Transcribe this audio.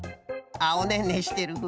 あっおねんねしてる。